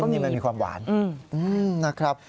นี่มันมีความหวานนะครับ